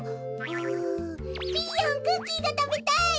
んピーヨンクッキーがたべたい！